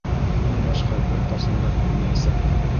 Уны башҡа бер ҡасан да күрмәйәсәкмен...